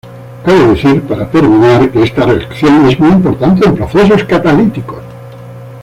Cabe decir, para terminar, que esta reacción es muy importante en procesos catalíticos.